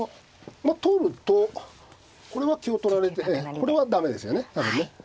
取るとこれは香を取られてこれは駄目ですよね多分ね。